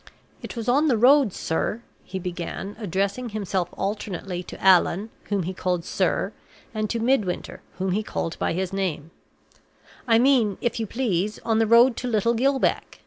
"It was on the road, sir," he began, addressing himself alternately to Allan, whom he called, "sir," and to Midwinter, whom he called by his name, "I mean, if you please, on the road to Little Gill Beck.